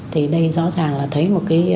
thì đây rõ ràng là thấy một cái